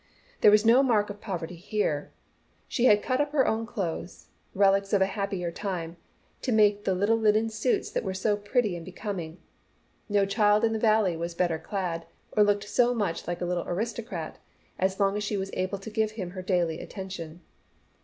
There was no mark of poverty here. She had cut up her own clothes, relics of a happier time, to make the little linen suits that were so pretty and becoming. No child in the Valley was better clad, or looked so much like a little aristocrat, as long as she was able to give him her daily attention.